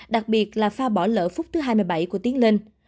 đặc biệt là pha bỏ lỡ phút thứ hai mươi bảy của tiến lên